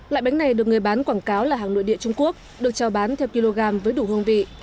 loại bánh này được người bán quảng cáo là hàng nội địa trung quốc được trao bán theo kg với đủ hương vị